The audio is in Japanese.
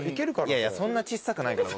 いやいやそんなちっさくないから。